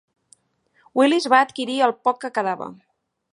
Willys va adquirir el poc que quedava.